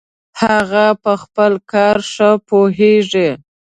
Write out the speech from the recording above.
هغه په خپل کار ښه پوهیږي